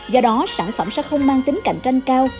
do đó sản phẩm sẽ không mang tính cạnh tranh cao